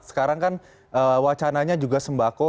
sekarang kan wacananya juga sembako